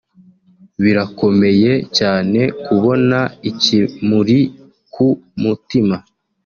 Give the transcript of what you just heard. birakomeye cyane kubona ikimuri ku mutima